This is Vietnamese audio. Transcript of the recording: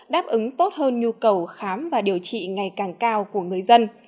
đáp ứng tốt hơn nhu cầu khám và điều trị ngày càng cao của người dân